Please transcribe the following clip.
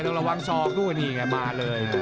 ระวังซองด้วยนี่ไงมาเลย